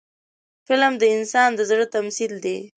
فلم د انسان د زړه تمثیل دی